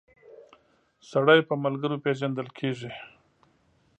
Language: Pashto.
سړی په ملګرو پيژندل کیږی